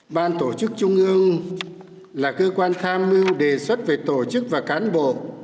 ban tổ chức trung ương là cơ quan tham mưu đề xuất về tổ chức và cán bộ